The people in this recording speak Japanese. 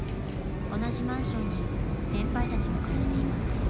［同じマンションに先輩たちも暮らしています］